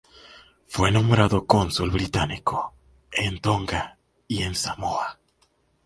Fue nombrado cónsul británico en Tonga y en Samoa.